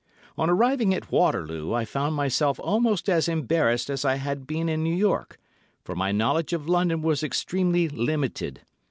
On arriving at Waterloo, I found myself almost as embarrassed as I had been in New York, for my knowledge of London was extremely limited.